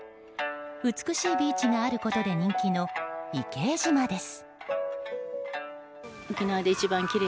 美しいビーチがあることで人気の伊計島です。